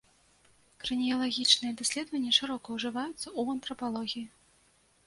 Краніялагічныя даследаванні шырока ўжываюцца ў антрапалогіі.